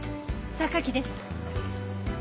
榊です。